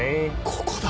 ここだ！